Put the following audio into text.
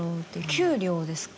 給料ですか？